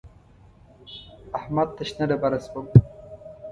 احمد ته شنه ډبره شوم.